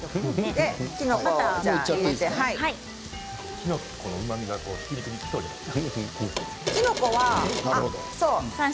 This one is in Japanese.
きのこのうまみがひき肉につかないんですか。